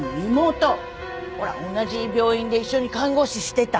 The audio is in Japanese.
ほら同じ病院で一緒に看護師してた。